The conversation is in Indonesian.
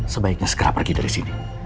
sebaiknya segera pergi dari sini